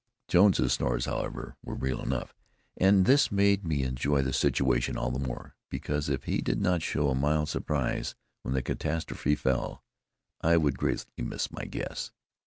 Jones's snores, however, were real enough, and this made me enjoy the situation all the more; because if he did not show a mild surprise when the catastrophe fell, I would greatly miss my guess.